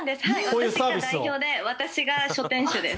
私が代表で私が書店主です。